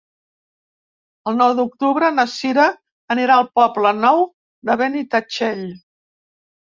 El nou d'octubre na Cira anirà al Poble Nou de Benitatxell.